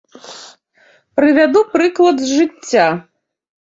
Прывяду прыклад з жыцця.